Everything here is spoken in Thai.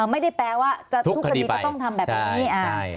ไม่ได้แปลว่าทุกคดีจะต้องทำแบบนี้